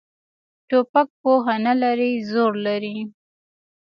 توپک پوهه نه لري، زور لري.